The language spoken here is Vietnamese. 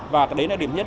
và đấy là điểm nhất